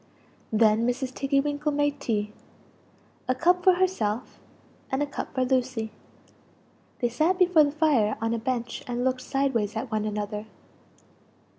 "Then Mrs. Tiggy winkle made tea a cup for herself and a cup for Lucie. They sat before the fire on a bench and looked sideways at one another.